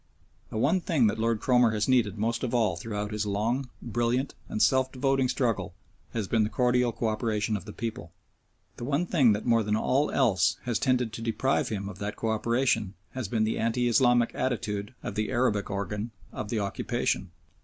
The one thing that Lord Cromer has needed most of all throughout his long, brilliant, and self devoting struggle has been the cordial co operation of the people. The one thing that more than all else has tended to deprive him of that co operation has been the anti Islamic attitude of the Arabic organ of the occupation.